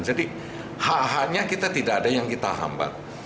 jadi hak haknya kita tidak ada yang kita hambat